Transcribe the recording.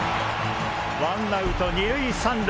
ワンアウト２塁３塁！